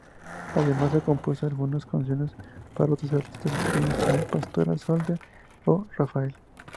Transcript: Además ha compuesto algunas canciones para otros artistas españoles como Pastora Soler o Raphael.